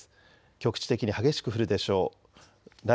局地的に激しく降るでしょう。